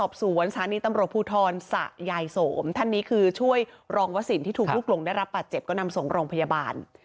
ช่วยรองเสริมเรื่องที่ถูกลุกลงได้รับปลาเจ็บก็นำส่งโรงพยาบาล